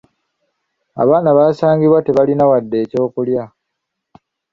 Abaana basangibwa tebalina wadde eky’okulya.